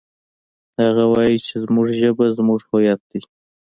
هغه وایي چې زموږ ژبه زموږ هویت ده